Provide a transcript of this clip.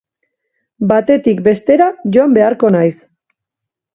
Batetik bestera joan beharko naiz!